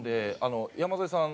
「山添さん